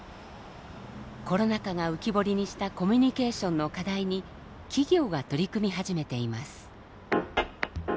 コロナ禍が浮き彫りにしたコミュニケーションの課題に企業が取り組み始めています。